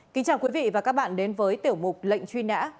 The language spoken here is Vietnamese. kính chào quý vị và các bạn đến với tiểu mục lệnh truy nã